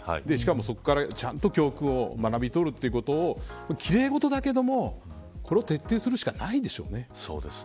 そこから、ちゃんと教訓を学び取るというきれいごとだけれどもこれを徹底するしかないでしょうね。